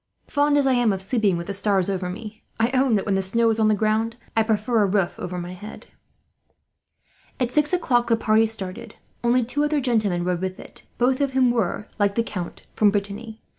Fond as I am of sleeping with the stars over me; I own that, when the snow is on the ground, I prefer a roof over my head." At six o'clock the party started. Only two other gentlemen rode with it, both of whom were, like the Count, from Brittany.